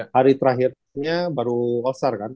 hari terakhirnya baru all star kan